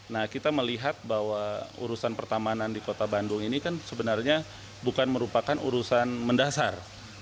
nah kita melihat bahwa urusan pertamanan di kota bandung ini kan sebenarnya bukan merupakan urusan mendasar